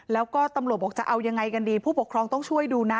แล้วก็ตำรวจบอกจะเอายังไงกันดีผู้ปกครองต้องช่วยดูนะ